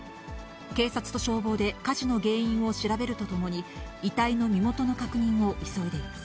警察と消防で火事の原因を調べるとともに、遺体の身元の確認を急いでいます。